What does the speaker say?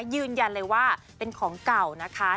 ยืนยันเลยว่าเป็นของเก่านะคะ